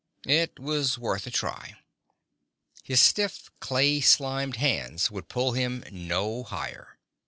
It was worth a try. His stiff, clay slimed hands would pull him no higher.